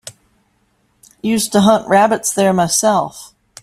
Used to hunt rabbits there myself.